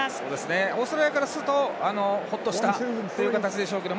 オーストラリアからするとほっとした形でしょうけど。